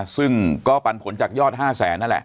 ซึ่งก็ปันผลจากยอด๕แสนนั่นแหละ